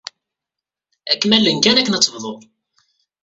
Ad kem-allen kan akken ad tebdud.